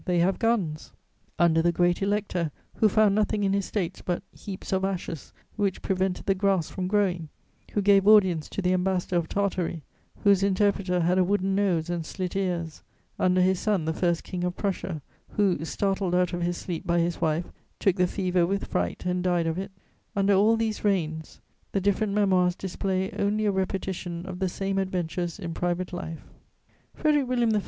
They have guns;" under the Great Elector, who found nothing in his States but "heaps of ashes, which prevented the grass from growing," who gave audience to the Ambassador of Tartary, "whose interpreter had a wooden nose and slit ears;" under his son, the first King of Prussia, who, startled out of his sleep by his wife, took the fever with fright and died of it: under all these reigns, the different Memoirs display only a repetition of the same adventures in private life. [Sidenote: The House of Hohenzollern.] Frederic William I.